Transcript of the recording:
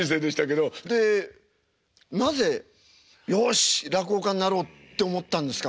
でなぜ「よし落語家になろう」って思ったんですか？